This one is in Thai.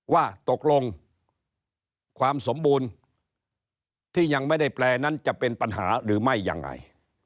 ว่าตกลงความสมบูรณ์ที่ยังไม่ได้แปลนั้นจะเป็นปัญหาหรือไม่ยังไง